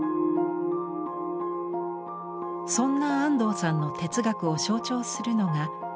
そんな安藤さんの哲学を象徴するのが光。